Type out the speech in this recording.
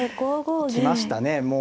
行きました。